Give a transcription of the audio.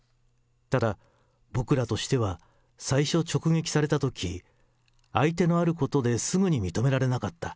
ただ、僕らとしては、最初直撃されたとき、相手のあることで、すぐに認められなかった。